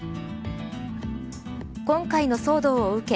今回の騒動を受け